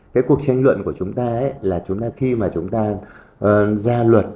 cái cuộc tranh luận của chúng ta là khi mà chúng ta ra luật